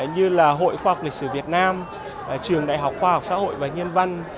như là hội khoa học lịch sử việt nam trường đại học khoa học xã hội và nhân văn